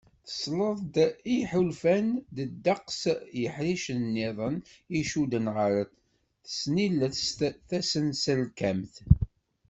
Tesleḍt n yiḥulfan d ddeqs n yiḥricen-nniḍen i icudden ɣer tesnilest tasenselkamt.